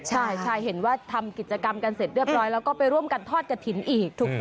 ใช่เห็นว่าทำกิจกรรมกันเสร็จเรียบร้อยแล้วก็ไปร่วมกันทอดกระถิ่นอีกถูกต้อง